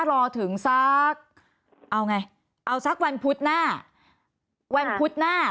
รอถึงสักเอาไงเอาสักวันพุธหน้า